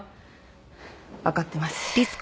わかってます。